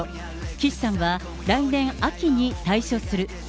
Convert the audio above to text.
岸さんは来年秋に退所する。